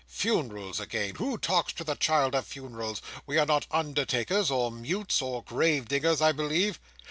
"Funerals again! who talks to the child of funerals? We are not undertakers, or mutes, or grave diggers, I believe."